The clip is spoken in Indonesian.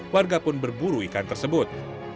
warga pun berburu ikan tersebut